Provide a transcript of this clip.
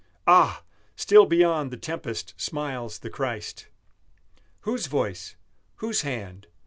Ah! still beyond the tempest smiles the Christ! Whose voice? Whose hand?